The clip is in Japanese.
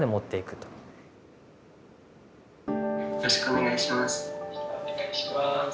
よろしくお願いします。